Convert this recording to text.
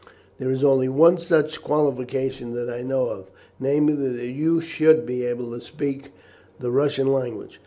There is only one such qualification that I know of, namely, that you should be able to speak the Russian language.